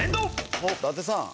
伊達さん。